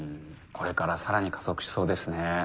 これからさらに加速しそうですね。